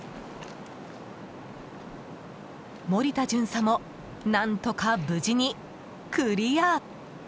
森田巡査も何とか無事にクリア！